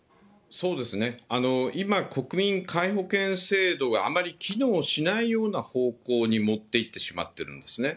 そうですね、今、国民皆保険制度があまり機能しないような方向に持っていってしまっているんですね。